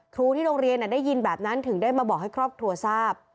ครูที่โรงเรียนได้ยินแบบนั้นถึงได้มาบอกให้ครอบครัวทราบ